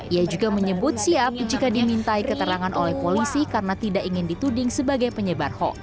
ia juga menyebut siap jika dimintai keterangan oleh polisi karena tidak ingin dituding sebagai penyebar hoax